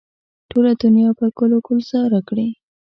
ټوله دنیا به ګل و ګلزاره کړي.